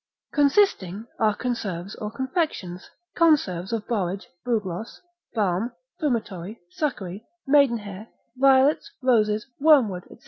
Consisting, are conserves or confections; conserves of borage, bugloss, balm, fumitory, succory, maidenhair, violets, roses, wormwood, &c.